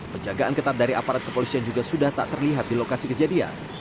penjagaan ketat dari aparat kepolisian juga sudah tak terlihat di lokasi kejadian